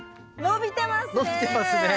伸びてますね。